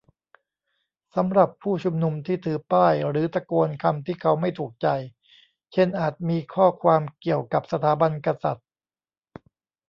สำหรับผู้ชุมนุมที่ถือป้ายหรือตะโกนคำที่เขาไม่ถูกใจ เช่น อาจมีข้อความเกี่ยวกับสถาบันกษัตริย์